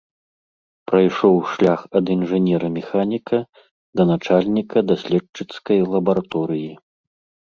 Прайшоў шлях ад інжынера-механіка да начальніка даследчыцкай лабараторыі.